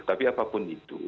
tapi apapun itu